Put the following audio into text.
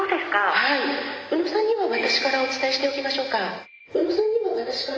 はい宇野さんには私からお伝えしておきましょうか？